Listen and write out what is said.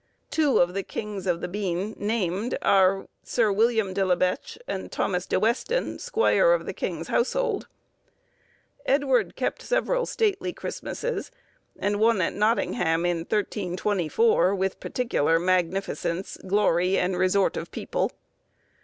Two of the kings of the bean named, are, Sir William de la Bech, and Thomas de Weston, squire of the king's household. Edward kept several stately Christmasses, and one at Nottingham in 1324, with particular magnificence, glory, and resort of people.